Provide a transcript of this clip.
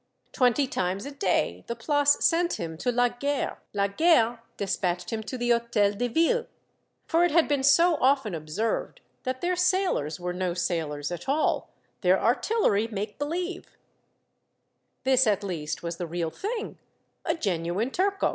Twenty times a day the Place sent him to La Guerre, La Guerre despatched him to the Hotel de Ville. For it had been so often observed that their sailors were no sailors at all, their artillery make believe ! A Titrco of the Commune, 163 This at least was the real thing, a genuine turco.